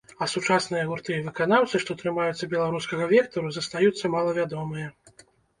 А сучасныя гурты і выканаўцы, што трымаюцца беларускага вектару, застаюцца малавядомыя.